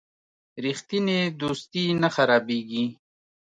رښتینی دوستي نه خرابیږي.